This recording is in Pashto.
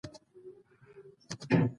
منډه د طبیعي خوښیو سرچینه ده